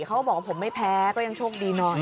เขาบอกว่าผมไม่แพ้ก็ยังโชคดีหน่อย